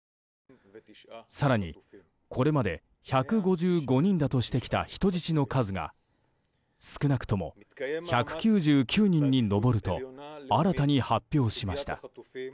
更に、これまで１５５人だとしてきた人質の数が少なくとも１９９人に上ると新たに発表しました。